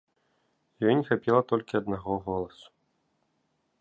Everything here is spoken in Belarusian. Ёй не хапіла толькі аднаго голасу.